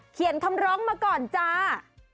เขียนคำร้องมาก่อนจ้า